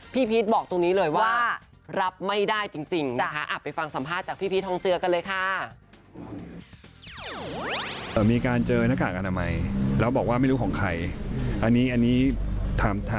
พี่พีทบอกตรงนี้เลยว่ารับไม่ได้จริงนะคะ